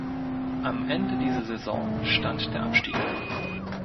Am Ende dieser Saison stand der Abstieg.